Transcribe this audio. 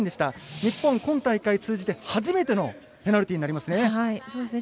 日本、今大会通じて初めてのペナルティーになりますね。